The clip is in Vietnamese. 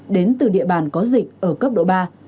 đến từ địa bàn có dịch ở cấp độ ba